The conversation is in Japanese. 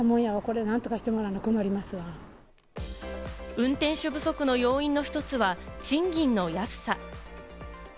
運転手不足の要因の１つは、賃金の安さ。